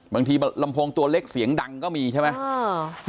บางทีโลกตรวจตัวเล็กเสียงดังก็มีใช่ไหมอ่า